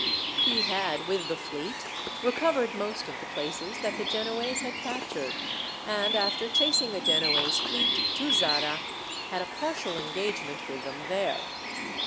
He had, with the fleet, recovered most of the places that the Genoese had captured, and after chasing a Genoese fleet to Zara, had a partial engagement with them there.